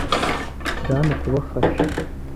Turi hano kubafasha.